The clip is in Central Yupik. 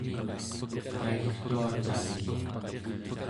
kaigtua cali